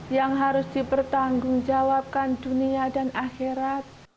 yang harus dipertanggungjawabkan dunia dan akhirat